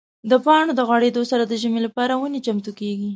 د پاڼو د غورځېدو سره د ژمي لپاره ونې چمتو کېږي.